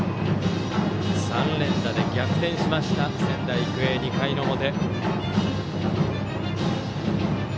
３連打で逆転しました仙台育英、２回の表。